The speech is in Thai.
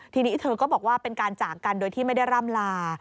ทีนี้เธอก็บอกว่าเป็นการจากกันโดยที่ไม่ได้ร่ำลา